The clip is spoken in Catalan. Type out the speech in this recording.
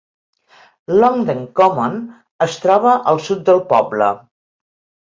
Longden Common es troba al sud del poble.